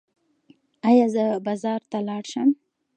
ایا زه بازار ته لاړ شم؟